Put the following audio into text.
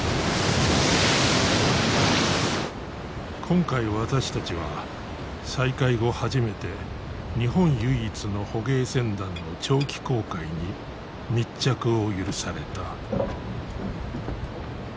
今回私たちは再開後初めて日本唯一の捕鯨船団の長期航海に密着を許された。